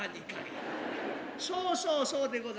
そうそうそうそうでございます。